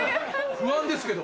不安ですけど。